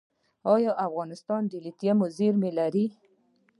آیا افغانستان د لیتیم زیرمې لري؟